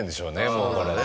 もうこれね。